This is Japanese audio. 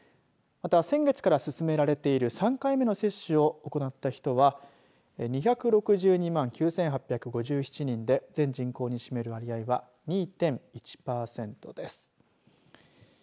また先月から進められている３回目の接種を行った人は２６２万９８５７人で全人口に占める割合は２．１パーセントです。